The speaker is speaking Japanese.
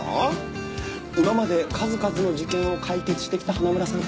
「今まで数々の事件を解決してきた花村さん」